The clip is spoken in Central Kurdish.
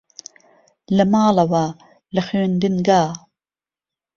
لەماڵەوە لە خوێندنگا